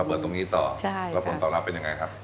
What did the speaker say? เปิดตรงนี้ต่อแล้วผลตอบรับเป็นยังไงครับ